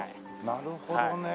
なるほどね。